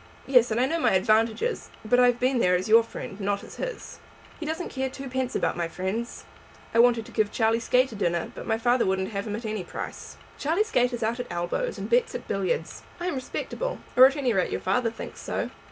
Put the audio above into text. "Yes, and I know my advantages. But I have been there as your friend, not as his." "He doesn't care twopence about my friends. I wanted to give Charlie Skate a dinner, but my father wouldn't have him at any price." "Charlie Skate is out at elbows, and bets at billiards. I am respectable, or at any rate your father thinks so.